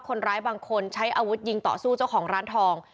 คนร้ายบางคนใช้อาวุธยิงต่อสู้เจ้าของร้านทอง